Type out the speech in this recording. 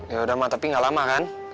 yaudah ma tapi nggak lama kan